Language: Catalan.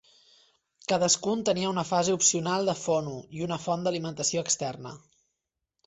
Cadascun tenia una fase opcional de fono i una font d'alimentació externa.